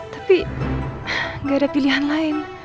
tapi gak ada pilihan lain